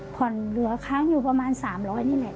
เหลือค้างอยู่ประมาณ๓๐๐นี่แหละ